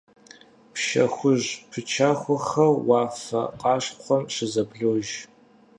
Пшэ хужь пычахуэхэр уафэ къащхъуэм щызэблож.